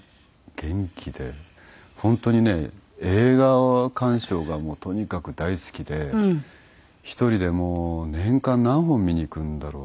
本当にね映画鑑賞がもうとにかく大好きで１人でもう年間何本見に行くんだろう？